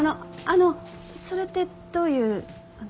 あのそれってどういう。